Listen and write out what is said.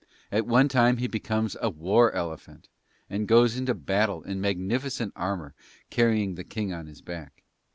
At one time he becomes a "War Elephant," and goes into battle in magnificent armour carrying the King on his back.